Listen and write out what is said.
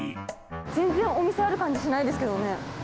全然お店ある感じしないですけどね。